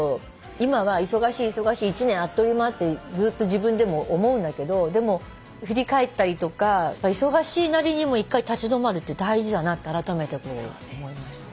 今は忙しい忙しい一年あっという間ってずっと自分でも思うんだけどでも振り返ったりとか忙しいなりにも一回立ち止まるって大事だなってあらためて思いました私も。